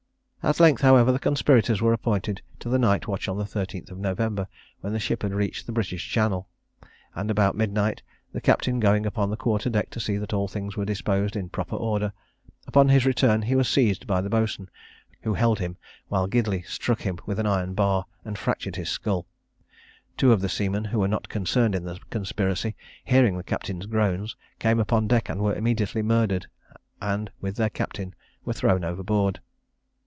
At length, however, the conspirators were appointed to the night watch on the 13th of November, when the ship had reached the British Channel; and about midnight the captain going upon the quarter deck to see that all things were disposed in proper order, upon his return he was seized by the boatswain, who held him while Gidley struck him with an iron bar, and fractured his skull. Two of the seamen who were not concerned in the conspiracy, hearing the captain's groans, came upon deck, and were immediately murdered, and, with their captain, were thrown overboard.